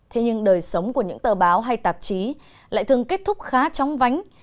thế nhưng đời sống của những tờ báo hay tạp chí lại thường kết thúc khá chóng vánh